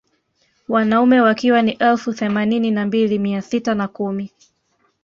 Wanaume wakiwa ni elfu themanini na mbili mia sita na kumi